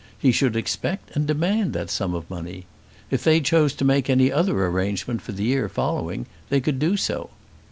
He should expect and demand that sum of money. If they chose to make any other arrangement for the year following they could do so.